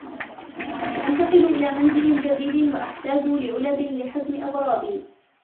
سأنتقل إلى منزل جديد و أحتاج لعلب لحزم أغراضي.